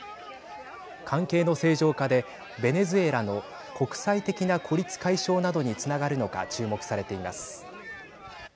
関係の正常化でベネズエラの国際的な孤立解消などにつながるのか注目されています。